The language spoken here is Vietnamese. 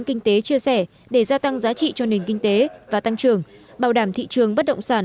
kinh tế chia sẻ để gia tăng giá trị cho nền kinh tế và tăng trưởng bảo đảm thị trường bất động sản